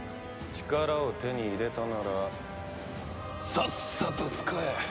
力を手に入れたならさっさと使え。